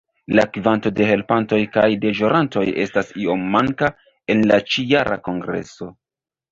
La kvanto de helpantoj kaj deĵorantoj estas iom manka en la ĉi-jara kongreso.